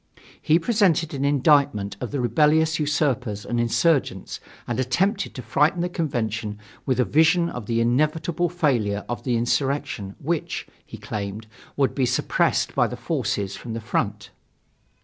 He presented an indictment of the rebellious usurpers and insurgents and attempted to frighten the Convention with a vision of the inevitable failure of the insurrection, which, he claimed, would be suppressed by the forces from the front.